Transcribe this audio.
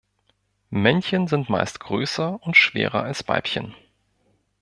Männchen sind meist größer und schwerer als Weibchen.